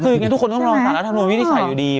ซึ่งทุกคนต้องลองสหรัฐธรรมนูญวิทยาศาสตร์อยู่ดี